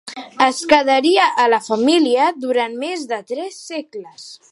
Es quedaria a la família durant més de tres segles.